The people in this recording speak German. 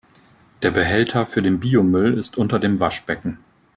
Der Behälter für den Biomüll ist unter dem Waschbecken.